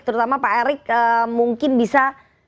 terutama pak erick mungkin bisa